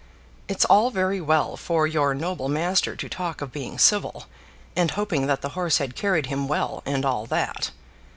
It's all very well for your noble master to talk of being civil, and hoping that the horse had carried him well, and all that.